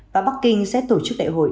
và bắc kinh sẽ tổ chức đại hội